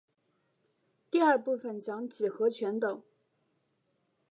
第二部份讲几何全等。